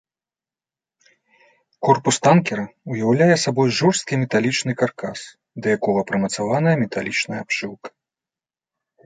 Корпус танкера ўяўляе сабой жорсткі металічны каркас, да якога прымацаваная металічная абшыўка.